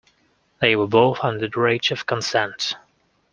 They were both under the age of consent.